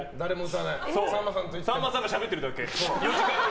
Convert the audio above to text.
さんまさんが４時間ぐらいしゃべってるだけ。